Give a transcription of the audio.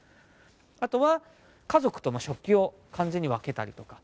あとは家族とも食器を完全に分けたりとか。